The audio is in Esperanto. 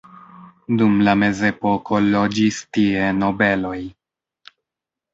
Dum la mezepoko loĝis tie nobeloj.